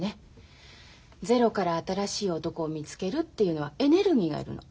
ゼロから新しい男を見つけるっていうのはエネルギーがいるの。